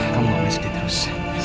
kamu jangan sedih terus